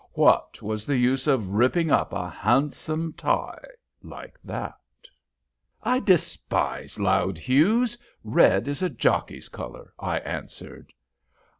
What was the use of ripping up a handsome tie like that?" "I despise loud hues. Red is a jockey's color," I answered.